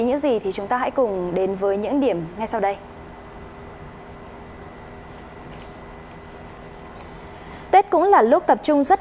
những gì thì chúng ta hãy cùng đến với những điểm ngay sau đây ừ ừ ừ tết cũng là lúc tập trung rất